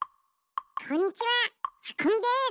こんにちははこみです！